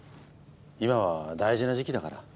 今は大事な時期だから。